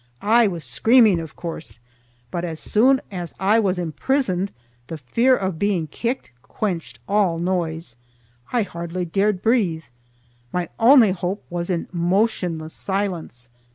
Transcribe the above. I was screaming, of course, but as soon as I was imprisoned the fear of being kicked quenched all noise. I hardly dared breathe. My only hope was in motionless silence.